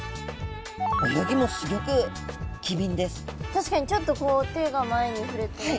確かにちょっとこう手が前に触れただけで。